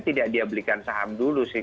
tidak dia belikan saham dulu sih